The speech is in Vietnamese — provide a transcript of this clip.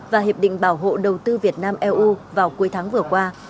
và hiệp định bảo hộ đầu tư việt nam eu vào cuối tháng vừa qua